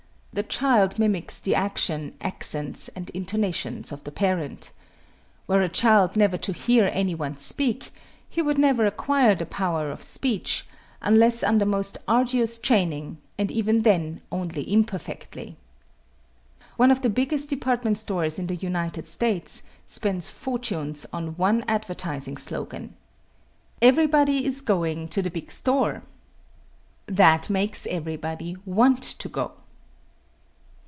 The child mimics the actions, accents and intonations of the parent. Were a child never to hear anyone speak, he would never acquire the power of speech, unless under most arduous training, and even then only imperfectly. One of the biggest department stores in the United States spends fortunes on one advertising slogan: "Everybody is going to the big store." That makes everybody want to go.